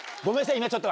今ちょっと。